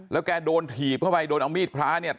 แล้วแกโดนถีบเข้าไปโดนเอามีดพระเนี่ย